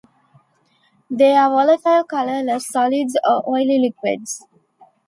They are volatile colorless solids or oily liquids.